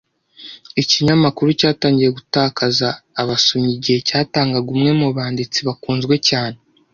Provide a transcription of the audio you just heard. Ikinyamakuru cyatangiye gutakaza abasomyi igihe cyatangaga umwe mubanditsi bakunzwe cyane.